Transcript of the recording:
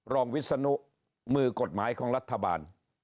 วิศนุมือกฎหมายของรัฐบาล